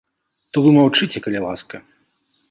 То вы маўчыце, калі ласка!